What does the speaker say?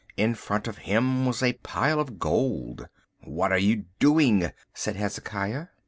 In front of him was a pile of gold. "What are you doing?" said Hezekiah.